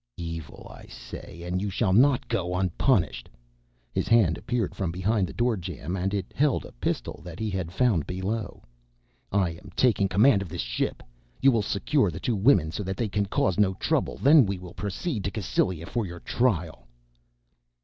"Evil I say, and you shall not go unpunished." His hand appeared from behind the door jamb and it held a pistol that he had found below. "I am taking command of this ship. You will secure the two women so that they can cause no trouble, then we will proceed to Cassylia for your trial."